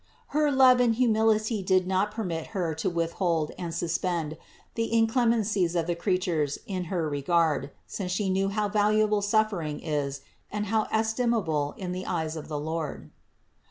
Her love and humility did not permit Her to withhold and suspend the inclemencies of the creatures in her regard, since She knew how valuable suffering is and how estimable in the eyes of the Lbrd.